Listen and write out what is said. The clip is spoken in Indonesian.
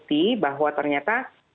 bukti bahwa ternyata